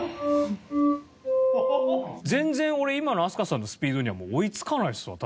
全然俺今の飛鳥さんのスピードにはもう追いつかないですわ。